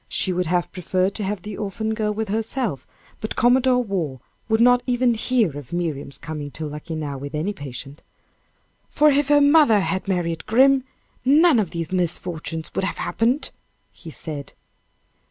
She would have preferred to have the orphan girl with herself, but Commodore Waugh would not even hear of Miriam's coming to Luckenough with any patience "For if her mother had married 'Grim,' none of these misfortunes would have happened," he said.